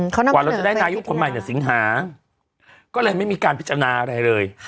กว่าเราจะได้นายกคนใหม่เนี่ยสิงหาก็เลยไม่มีการพิจารณาอะไรเลย